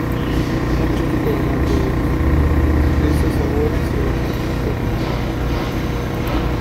Muchos, pero no todos, de estos sabores se basan en la fruta.